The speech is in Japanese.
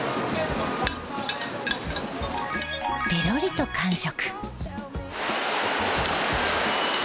ペロリと完食。